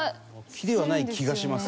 「木ではない気がします」？